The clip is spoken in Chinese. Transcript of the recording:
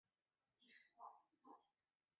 这提供了治疗男性不育缺憾的可能性。